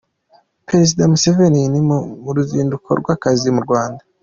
Perezida museveni mu ruzinduko rw’akazi mu Rwanda